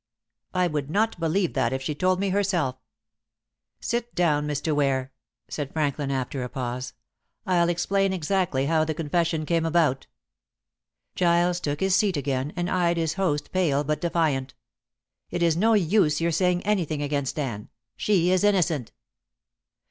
"I would not believe that if she told me herself." "Sit down, Mr. Ware," said Franklin, after a pause. "I'll explain exactly how the confession came about." Giles took his seat again, and eyed his host pale but defiant. "It is no use your saying anything against Anne. She is innocent."